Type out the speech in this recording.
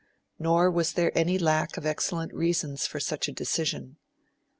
Nor was there any lack of excellent reasons for such a decision.